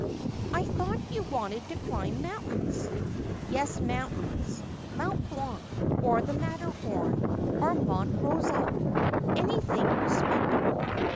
' I thought you wanted to climb mountains ?'' Yes, mountains ; Mont Blanc, or the Matterhorn, or Monte Rosa — anything respectable.